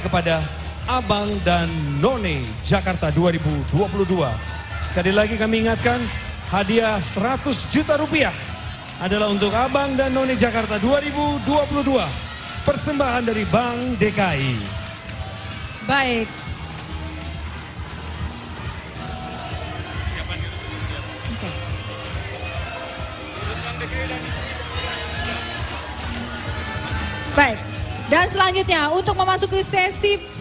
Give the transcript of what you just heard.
bapak anies rashid baswedan didampingi dengan ibu ferry farhati untuk dapat menyemangatkan selempang kepada para juara kita pada malam hari ini